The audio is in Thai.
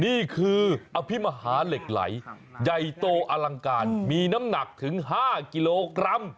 นี่คืออภิมหาเหล็กไหลใหญ่โตอลังการมีน้ำหนักถึง๕กิโลกรัม